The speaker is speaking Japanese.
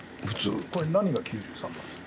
・これ何が９３なんですか？